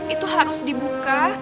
itu harus dibuka